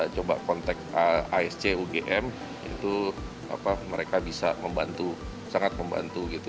coba kontak asc ugm itu mereka bisa membantu sangat membantu gitu